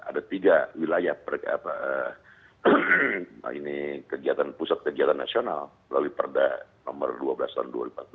ada tiga wilayah pusat kegiatan nasional melalui perda nomor dua belas tahun dua ribu empat belas